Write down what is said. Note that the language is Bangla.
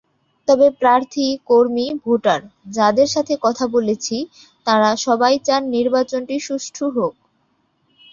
তবে প্রার্থী-কর্মী-ভোটার যাঁদের সঙ্গে কথা বলেছি, তাঁরা সবাই চান নির্বাচনটি সুষ্ঠু হোক।